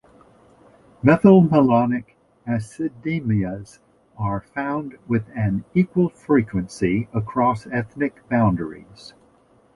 Methylmalonic acidemias are found with an equal frequency across ethnic boundaries.